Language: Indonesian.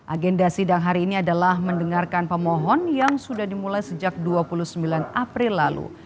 agenda sidang hari ini adalah mendengarkan pemohon yang sudah dimulai sejak dua puluh sembilan april lalu